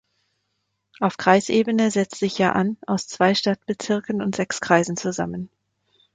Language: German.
Auf Kreisebene setzt sich Ya’an aus zwei Stadtbezirken und sechs Kreisen zusammen.